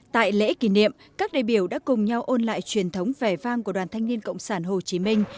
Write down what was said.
tại lễ kỷ niệm các đại biểu đã cùng nhau ôn lại truyền thống vẻ vang của đoàn thanh niên cộng sản hồ chí minh